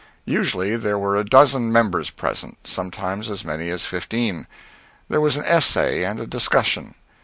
Usually there were a dozen members present sometimes as many as fifteen. There was an essay and a discussion.